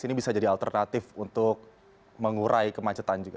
ini bisa jadi alternatif untuk mengurai kemacetan juga